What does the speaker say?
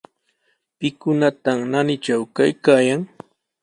¿Pikunataq naanitraw kaykaayan?